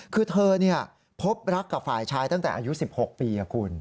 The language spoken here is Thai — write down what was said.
คือเธอพบรักกับฝ่ายชายตั้งแต่อายุ๑๖ปีคุณ